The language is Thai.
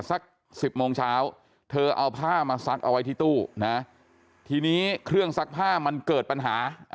สัก๑๐โมงเช้าเธอเอาผ้ามาซักเอาไว้ที่ตู้นะทีนี้เครื่องซักผ้ามันเกิดปัญหา